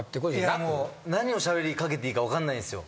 いやもう何をしゃべりかけていいか分かんないんですよ。